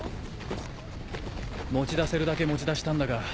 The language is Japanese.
持ち出せるだけ持ち出したんだが。